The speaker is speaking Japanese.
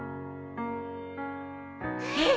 えっ！